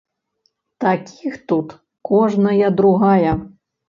Такіх тут кожная другая.